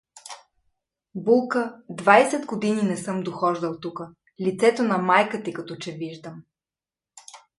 Булка, двайсет години не съм дохождал тука, лицето на майката ти като че виждам.